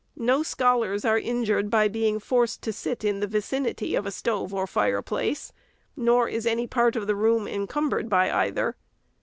No scholars are injured by being forced to sit in the vicinity of a stove or fireplace : nor is any part of the room encumbered by either.